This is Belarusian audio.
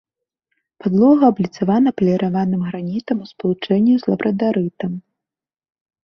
Падлога абліцавана паліраваным гранітам у спалучэнні з лабрадарытам.